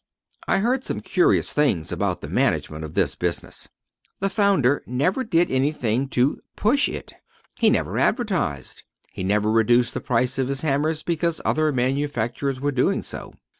I heard some curious things about the management of this business. The founder never did anything to "push" it. He never advertised. He never reduced the price of his hammers because other manufacturers were doing so.